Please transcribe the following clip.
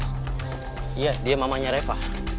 iya dia mamanya reva